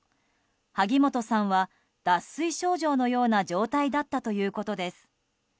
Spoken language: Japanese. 萩本さんは脱水症状のような状態だったということです。